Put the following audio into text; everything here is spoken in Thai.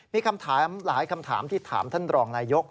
มีหลายคำถามที่ถามท่านรองนายยกรัฐมนตรี